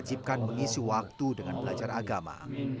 isi waktu dengan belajar agama